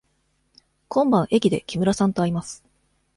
今晩駅で木村さんと会います。